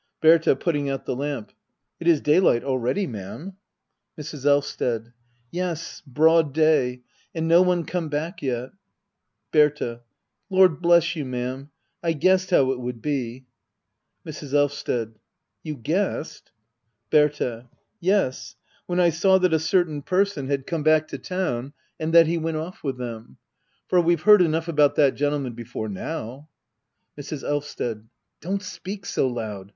Berta. [Putting out the lamp,] It is daylight already, ma'am. Mrs. Elvsted. Yes, broad day ! And no one come back yei . Berta. Lord bless you, ma'am — I guessed how it would be. Mrs. Elvsted. You guessed ? Berta. Yes, when I saw that a certain person had come Digitized by Google 118 HEDDA OABLER. [aCT III. back to town — and that he went off with them. For we've heard enough about that gentleman before now. Mrs. Elvsted. Don't speak so loud.